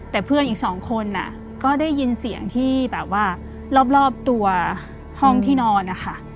แต่เพื่อนอีกสองคนก็ได้ยินเสียงที่แบบว่ารอบตัวห้องที่นอนนะคะ